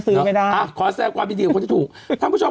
ซื้อไม่ได้อ่ะขอแซ่ความดีดีของคนที่ถูกท่านผู้ชม